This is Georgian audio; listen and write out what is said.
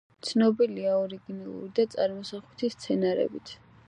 ცნობილია ორიგინალური და წარმოსახვითი სცენარებით.